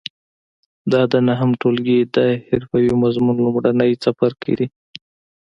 دا د نهم ټولګي د حرفې مضمون لومړی څپرکی دی.